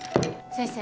先生。